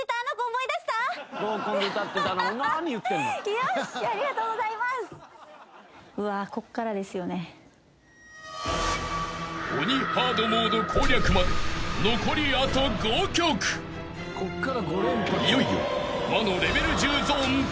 ［いよいよ魔のレベル１０ゾーン突入］